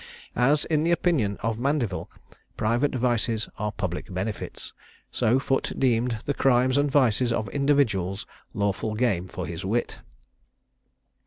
As, in the opinion of Mandeville, private vices are public benefits, so Foote deemed the crimes and vices of individuals lawful game for his wit.